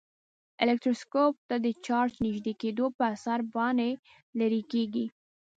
الکتروسکوپ ته د چارج نژدې کېدو په اثر پاڼې لیري کیږي.